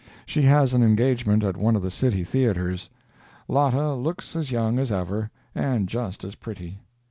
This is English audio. She has an engagement at one of the city theatres. Lotta looks as young as ever, and just as pretty.